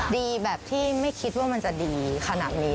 ดีแบบที่ไม่คิดว่ามันจะดีขนาดนี้